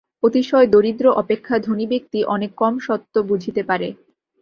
অতিশয় দরিদ্র অপেক্ষা ধনী ব্যক্তি অনেক কম সত্য বুঝিতে পারে।